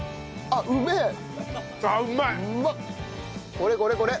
これこれこれ。